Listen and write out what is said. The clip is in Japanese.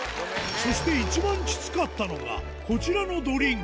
そして一番きつかったのがこちらのドリンク